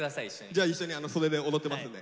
じゃあ一緒に袖で踊ってますんで。